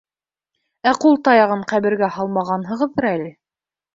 Ә ҡул таяғын ҡәбергә һалмағанһығыҙҙыр әле?